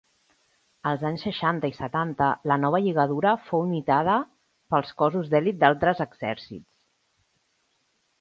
Als anys seixanta i setanta, la nova lligadura fou imitada per cossos d'elit d'altres exèrcits.